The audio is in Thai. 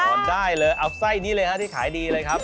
ได้เลยเอาไส้นี้เลยฮะที่ขายดีเลยครับ